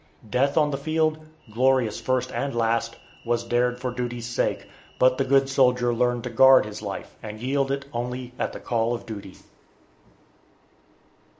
Death on the field, glorious first and last, was dared for duty's sake, but the good soldier learned to guard his life, and yield it only at the call of duty.